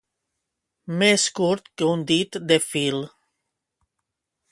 Més curt que un dit de fil.